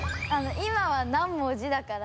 「いま」は何文字だから。